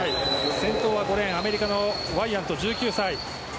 先頭はアメリカのワイヤント、１９歳。